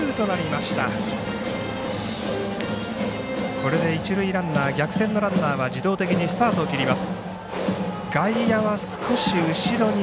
これで、一塁ランナー逆転のランナーは自動的にスタートを切ります。